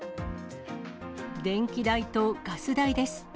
電気代とガス代です。